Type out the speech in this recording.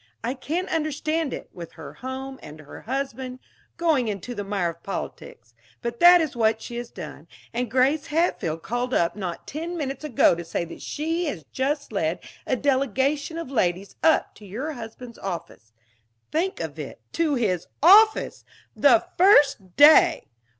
I can't understand it with her home, and her husband going into the mire of politics. But that is what she has done. And Grace Hatfield called up not ten minutes ago to say that she has just led a delegation of ladies up to your husband's office. Think of it to his office! The first day!...